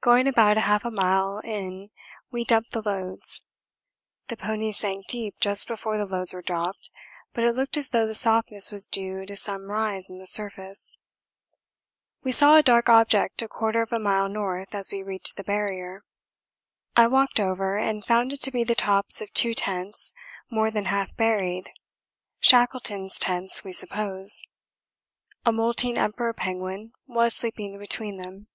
Going about 1/2 mile in we dumped the loads the ponies sank deep just before the loads were dropped, but it looked as though the softness was due to some rise in the surface. We saw a dark object a quarter of a mile north as we reached the Barrier. I walked over and found it to be the tops of two tents more than half buried Shackleton's tents we suppose. A moulting Emperor penguin was sleeping between them.